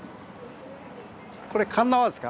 これ鉄輪ですか？